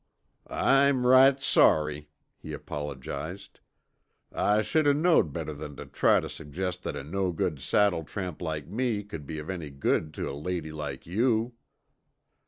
"I'm right sorry," he apologized, "I should o' knowed better'n tuh try tuh suggest that a no good saddle tramp like me could be of any good tuh a lady like you."